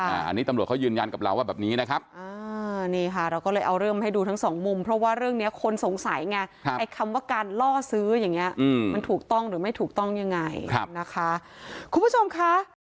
อันนี้ตำรวจเขายืนยันกับเราว่าแบบนี้นะครับนี่ค่ะเราก็เลยเอาเรื่องมาให้ดูทั้งสองมุมเพราะว่าเรื่องเนี้ยคนสงสัยไงไอ้คำว่าการล่อซื้ออย่างเงี้ยมันถูกต้องหรือไม่ถูกต้องยังไงนะคะคุณผู้ชมค่ะ